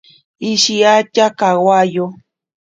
Ishiatya kawayo.